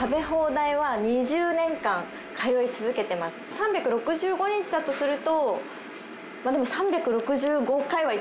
３６５日だとするとまあでも。